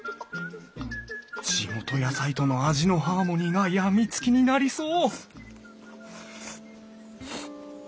地元野菜との味のハーモニーが病みつきになりそう！